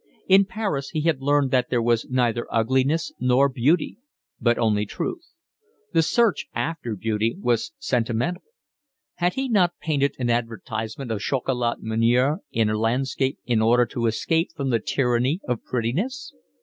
In Paris he had learned that there was neither ugliness nor beauty, but only truth: the search after beauty was sentimental. Had he not painted an advertisement of chocolat Menier in a landscape in order to escape from the tyranny of prettiness?